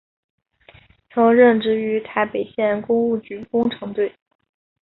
曾任职于台北县工务局工程队。